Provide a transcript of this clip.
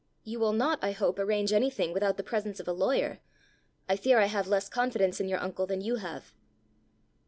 "You will not, I hope, arrange anything without the presence of a lawyer! I fear I have less confidence in your uncle than you have!"